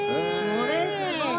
これすごい！